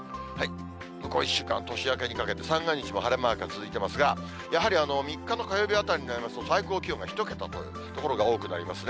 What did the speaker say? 向こう１週間、年明けにかけて三が日も晴れマークが続いていますが、やはり３日の火曜日あたりになりますと、最高気温が１桁という所が多くなりますね。